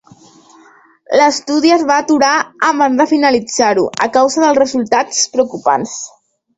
L'estudi es va aturar abans de finalitzar-lo a causa dels resultats preocupants.